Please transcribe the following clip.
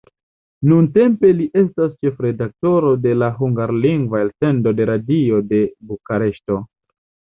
Nuntempe li estas ĉefredaktoro de la hungarlingva elsendo de Radio de Bukareŝto.